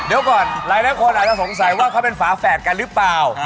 เดี๋ยวก่อนหลายคนอาจจะสงสัยว่าเขาเป็นฝาแฝดกันหรือเปล่า